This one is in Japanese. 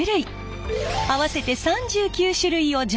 合わせて３９種類を常備。